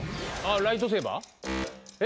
ライトセーバー？